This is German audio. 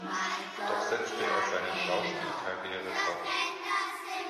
Doch setzte er seine Schauspielkarriere fort.